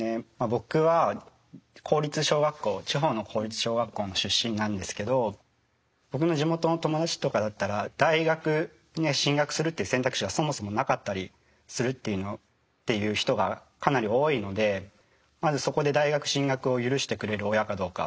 僕は公立小学校地方の公立小学校の出身なんですけど僕の地元の友達とかだったら大学に進学するという選択肢がそもそもなかったりするっていう人がかなり多いのでまずそこで大学進学を許してくれる親かどうか。